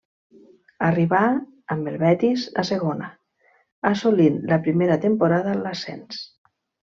Arribà amb el Betis a segona, assolint la primera temporada l'ascens.